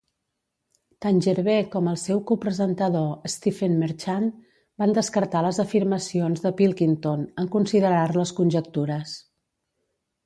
Tant Gervais com el seu co-presentador Stephen Merchant van descartar les afirmacions de Pilkington en considerar-les conjectures.